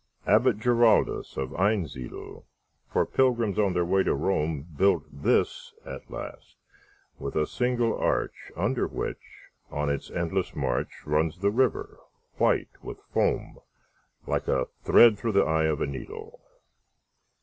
Abbot Giraldus of Einsiedel, For pilgrims on their way to Rome, Built this at last, with a single arch, Under which, on its endless march, Runs the river, white with foam, Like a thread through the eye of a needle.